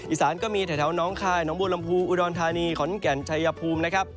อีสานก็มีแถวน้องคลายน้องบูรรณพู่อุดอลทานีขอนเกียรติจัยภูมิ